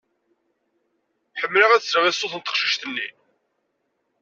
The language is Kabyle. Ḥemmleɣ ad sleɣ i ṣṣut n teqcict-nni.